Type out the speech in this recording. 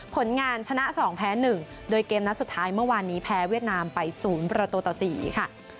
ผลงานชนะ๒แพ้๑โดยเกมนัดสุดท้ายเมื่อวานนี้แพ้เวียดนามไป๐ประตูต่อ๔ค่ะ